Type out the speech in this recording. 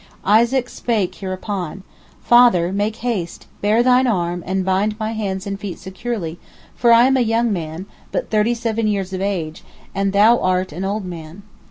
Isaac spake hereupon: "Father, make haste, bare thine arm, and bind my hands and feet securely, for I am a young man, but thirty seven years of age, and thou art an old man.